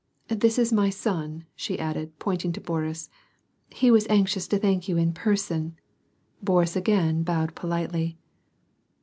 — This is my son," she added, pointing to Boris. " He was anxious to thank you in person," Boris again bowed politely.